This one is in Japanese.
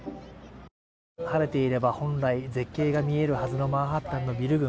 晴れていれば、本来絶景が見えるはずのマンハッタンのビル群。